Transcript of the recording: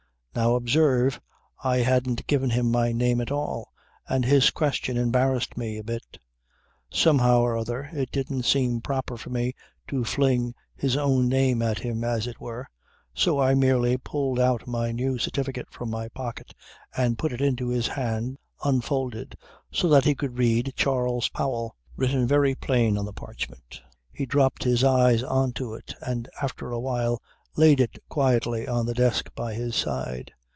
"Now, observe, I hadn't given him my name at all and his question embarrassed me a bit. Somehow or other it didn't seem proper for me to fling his own name at him as it were. So I merely pulled out my new certificate from my pocket and put it into his hand unfolded, so that he could read Charles Powell written very plain on the parchment. "He dropped his eyes on to it and after a while laid it quietly on the desk by his side.